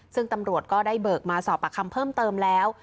ซึ่งตำรวจก็ได้เบิกมาสอบปากคำเพิ่มเติมแล้ว